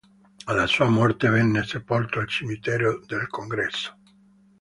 Alla sua morte venne sepolto al Cimitero del Congresso.